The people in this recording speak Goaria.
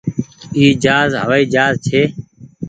اي جهآز هوآئي جهآز ڇي۔